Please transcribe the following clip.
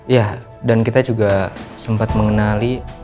ya dan kita juga sempat mengenali